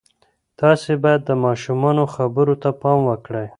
تاسې باید د ماشومانو خبرو ته پام وکړئ.